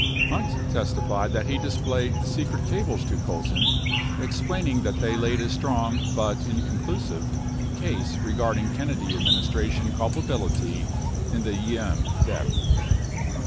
44 Hunt testified that he displayed the secret cables to Colson, ex plaining that they laid a strong, but inconclusive, case regarding Kennedy administration culpability in the Diem death.